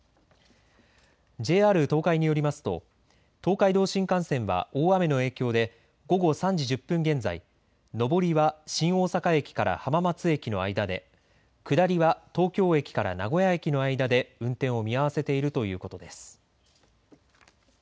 ＪＲ東海によりますと東海道新幹線は大雨の影響で午後３時１０分現在、上りは新大阪駅から浜松駅の間で、下りは東京駅から名古屋駅の間で運転を見合わせているということです。